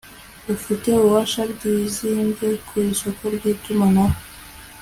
Ufite ububasha bwizimbye ku isoko ry itumanaho